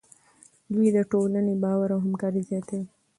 دوی د ټولنې باور او همکاري زیاتوي.